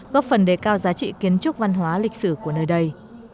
góp phần đề cao giá trị kiến trúc văn hóa lịch sử của nơi đây